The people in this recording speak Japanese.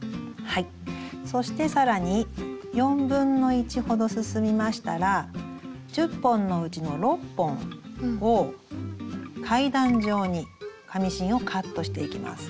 そして更に1/4ほど進みましたら１０本のうちの６本を階段上に紙芯をカットしていきます。